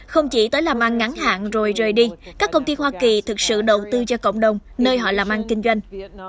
không chỉ tới làm ăn ngắn hạn rồi rời đi các công ty hoa kỳ thực sự đầu tư cho cộng đồng nơi họ làm ăn kinh doanh